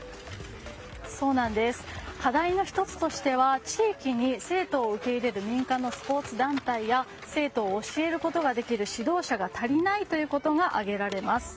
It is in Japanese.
課題の１つとしては地域に生徒を受け入れる民間のスポーツ団体や生徒を教えることができる指導者が足りないということが挙げられます。